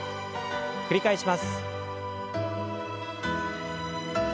繰り返します。